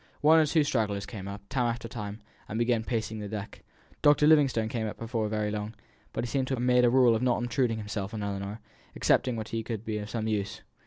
One or two stragglers came up, time after time, and began pacing the deck. Dr. Livingstone came up before very long; but he seemed to have made a rule of not obtruding himself on Ellinor, excepting when he could be of some use.